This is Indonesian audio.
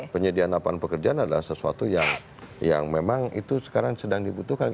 penyediaan lapangan pekerjaan adalah sesuatu yang memang itu sekarang sedang dibutuhkan